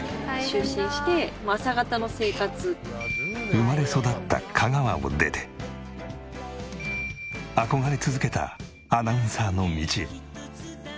生まれ育った香川を出て憧れ続けたアナウンサーの道へ。